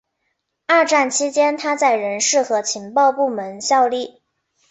二战期间他在人事和情报部门效力。